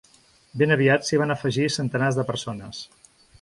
Ben aviat s’hi van afegir centenars de persones.